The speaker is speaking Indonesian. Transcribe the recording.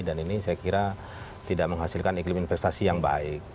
dan ini saya kira tidak menghasilkan iklim investasi yang baik